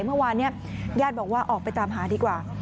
เมื่อวานเนี่ยญาติบอกว่าออกไปตามหาดีกว่า